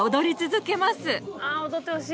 あ踊ってほしい。